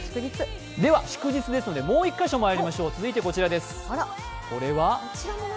では祝日ですのでもう１か所まいりましょう、こちらです。